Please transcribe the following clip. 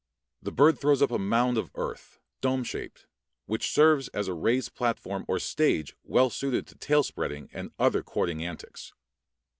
The bird throws up a mound of earth, dome shaped, which serves as a raised platform or stage well suited to tail spreading and other courting antics.